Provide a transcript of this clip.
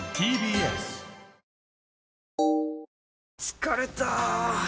疲れた！